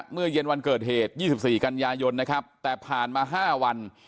เมื่อเย็นวันเกิดเหตุยี่สิบสี่กัญญายนนะครับแต่ผ่านมาห้าวัน